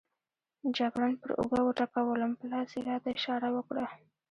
جګړن پر اوږه وټکولم، په لاس یې راته اشاره وکړه.